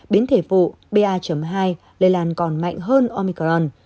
biến thể phụ ba hai lây lan còn mạnh hơn omicron